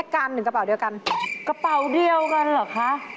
ขอบคุณนะครับ